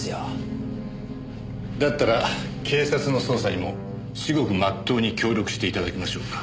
だったら警察の捜査にもしごくまっとうに協力して頂きましょうか。